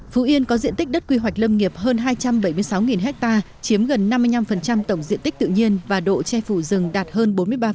phú yên có diện tích đất quy hoạch lâm nghiệp hơn hai trăm bảy mươi sáu ha chiếm gần năm mươi năm tổng diện tích tự nhiên và độ che phủ rừng đạt hơn bốn mươi ba